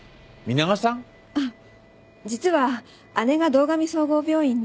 実は姉が堂上総合病院に。